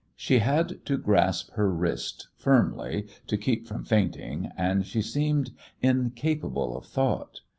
She had to grasp her wrist firmly to keep from fainting, and she seemed incapable of thought.